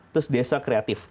terus desa kreatif